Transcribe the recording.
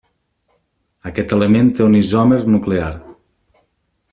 Aquest element té un isòmer nuclear.